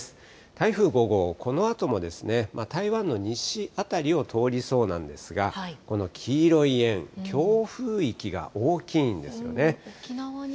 台風５号、このあとも台湾の西辺りを通りそうなんですが、この黄色い円、強風域が大きいんですよね。